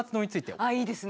ああいいですね。